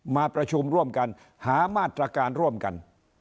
มาประชุมร่วมกันหามาตรการร่วมกัน